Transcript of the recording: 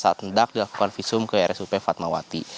saat mendak dilakukan visum ke rsup fatmawati